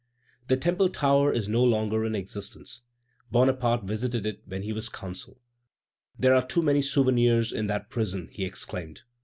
The Temple tower is no longer in existence. Bonaparte visited it when he was Consul. "There are too many souvenirs in that prison," he exclaimed.